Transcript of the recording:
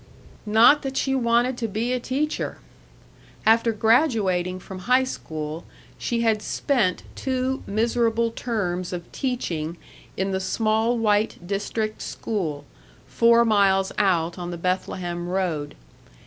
Not that she wanted to be a teacher! After graduating from high school, she had spent two miserable terms of teaching in the small white district school, four miles out on the Bethlehem Road.